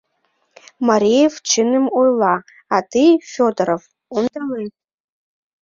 — Мареев чыным ойла, а тый, Фёдоров, ондалет.